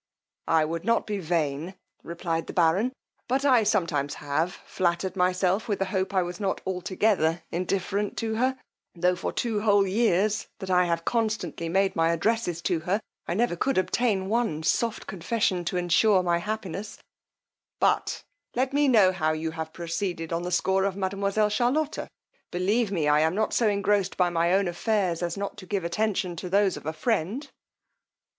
I would not be vain, replied the baron, but I sometimes have flattered myself with the hope I was not altogether indifferent to her; tho' for two whole years that I have constantly made my addresses to her, I never could obtain one soft confession to assure my happiness: but let me know how you have proceeded on the score of mademoiselle Charlotta? believe me, I am not so engrossed by my own affairs, as not to give attention to those of a friend.